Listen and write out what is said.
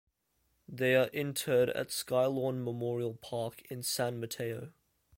They are interred at Skylawn Memorial Park in San Mateo.